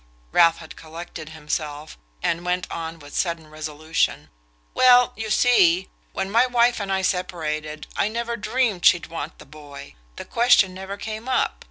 Ralph had collected himself, and went on with sudden resolution: "Well, you see when my wife and I separated, I never dreamed she'd want the boy: the question never came up.